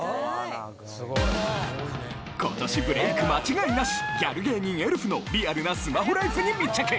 ことしブレーク間違いなし、ギャル芸人、エルフのリアルなスマホライフに密着。